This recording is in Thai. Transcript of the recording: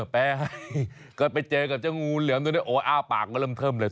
ไปก็ไปเจอกับเจ้างูเหลือมตัวนี้โอ้อ้าปากก็เริ่มเทิมเลย